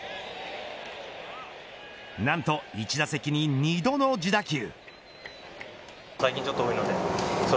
何と１打席に２度の自打球。